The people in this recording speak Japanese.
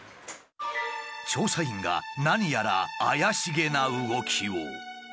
調査員が何やら怪しげな動きを。